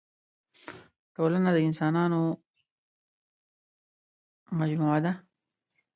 ټولنه د اسانانو مجموعه ده.